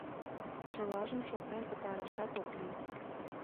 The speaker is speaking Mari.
Чылажым шотлен пытарашат ок лий!